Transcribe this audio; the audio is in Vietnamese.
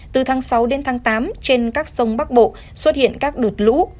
từ tháng sáu đến tháng tám trên các sông bắc bộ xuất hiện các đợt lũ